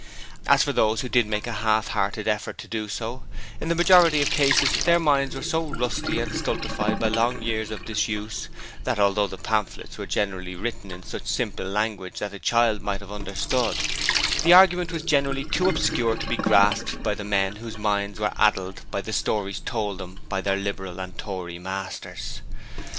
As for those who did make a half hearted effort to do so, in the majority of cases their minds were so rusty and stultified by long years of disuse, that, although the pamphlets were generally written in such simple language that a child might have understood, the argument was generally too obscure to be grasped by men whose minds were addled by the stories told them by their Liberal and Tory masters.